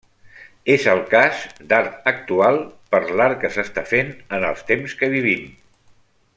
És el cas d'art actual per l'art que s'està fent en els temps que vivim.